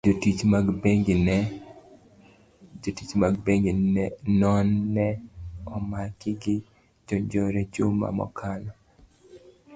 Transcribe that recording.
jotich mag bengi no ne omaki gi jonjore juma mokalo.